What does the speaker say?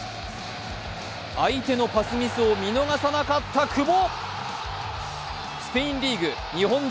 相手のパスミスを見逃さなかった久保。